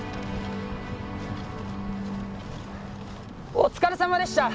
お疲れさまでした。